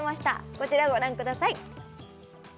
こちらご覧ください